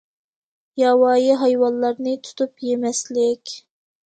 ياۋايى ھايۋانلارنى تۇتۇپ يېمەسلىك.